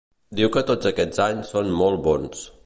Diu que tots aquest anys són "molt bons".